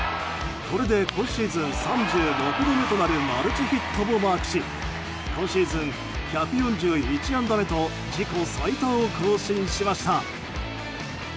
これで今シーズン３６度目となるマルチヒットもマークし今シーズン１４１安打目と自己最多を更新しました。